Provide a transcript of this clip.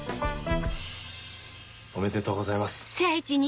おめでとうございます。